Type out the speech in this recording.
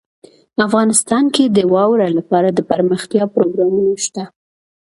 افغانستان کې د واوره لپاره دپرمختیا پروګرامونه شته.